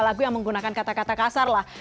lagu yang menggunakan kata kata kasar lah